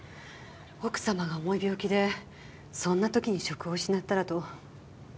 奥様が重い病気でそんな時に職を失ったらと。